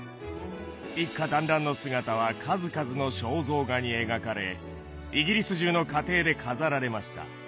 一家団欒の姿は数々の肖像画に描かれイギリス中の家庭で飾られました。